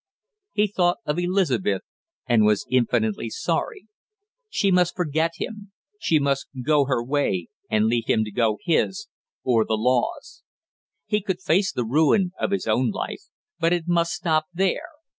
He thought of Elizabeth and was infinitely sorry. She must forget him, she must go her way and leave him to go his or the law's. He could face the ruin of his own life, but it must stop there!